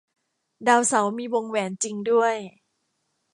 ดาวเสาร์มีวงแหวนจริงด้วย